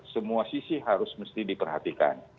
semua sisi harus mesti diperhatikan